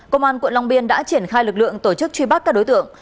công an quận long biên đã triển khai lực lượng tổ chức truy bắt các đối tượng